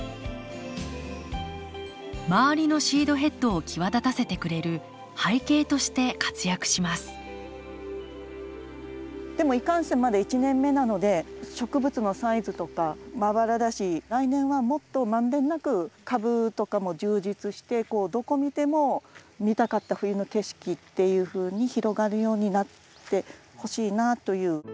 周りのシードヘッドを際立たせてくれる背景として活躍しますでもいかんせんまだ１年目なので植物のサイズとかまばらだし来年はもっと満遍なく株とかも充実してどこ見ても見たかった冬の景色っていうふうに広がるようになってほしいなぁという。